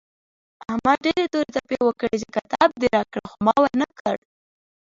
احمد ډېرې تورې تپې وکړې چې کتاب دې راکړه خو ما ور نه کړ.